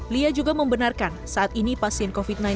lia juga membenarkan saat ini pasien covid sembilan belas